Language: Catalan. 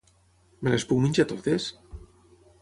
Me les puc menjar totes?